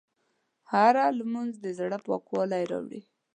هره لمونځ د زړه پاکوالی راولي.